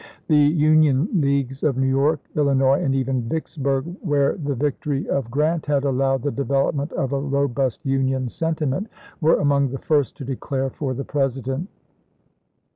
The Union Leagues of New York, Illinois, and even Vicksburg, where the victory of LINCOLN RENOMINATED 57 Grant had allowed the development of a robust chap, iil Union sentiment, were among the first to declare for the President.